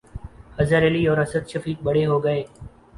اظہر علی اور اسد شفیق 'بڑے' ہو گئے